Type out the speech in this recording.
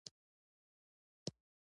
کلي د افغانستان یو ډول طبعي ثروت دی.